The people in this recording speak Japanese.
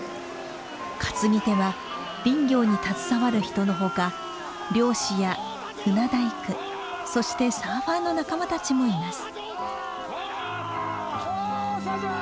担ぎ手は林業に携わる人のほか漁師や船大工そしてサーファーの仲間たちもいます。